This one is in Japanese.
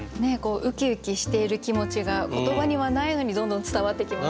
うきうきしている気持ちが言葉にはないのにどんどん伝わってきますよね。